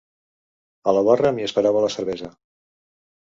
A la barra m'hi esperava la cervesa.